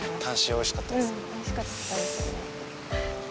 美味しかったですよね。